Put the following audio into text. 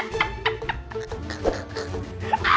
nade yang gak ada